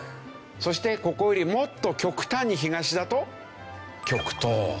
そしてここよりもっと極端に東だと極東。